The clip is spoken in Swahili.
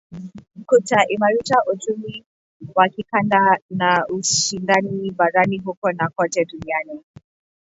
kutaimarisha uchumi wa kikanda na ushindani barani huko na kote duniani